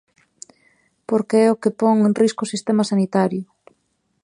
Porque é o que pon en risco o sistema sanitario.